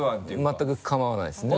全く構わないですね